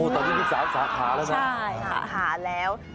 ตอนนี้มี๓สาขาแล้วนะ